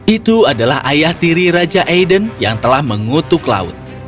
itu adalah ayah tiri raja aiden yang telah mengutuk laut